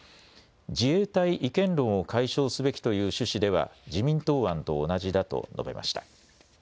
自衛隊違憲論を解消すべきという趣旨では自民党案と同じだと述べました。